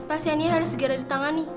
pasiennya harus segera ditangani